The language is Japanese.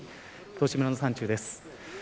道志村の山中です。